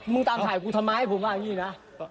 ตามถ่ายกูทำไมผมว่าอย่างนี้นะ